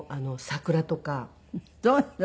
どういうの？